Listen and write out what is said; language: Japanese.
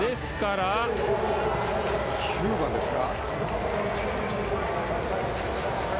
９番ですか？